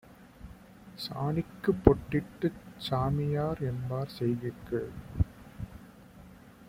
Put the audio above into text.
சாணிக்குப் பொட்டிட்டுச் சாமிஎன்பார் செய்கைக்கு